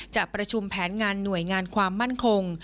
จะประชุมแผนงานหน่วยงานความมั่นคง